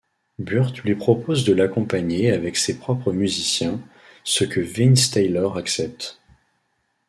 Burt lui propose de l'accompagner avec ses propres musiciens, ce que Vince Taylor accepte.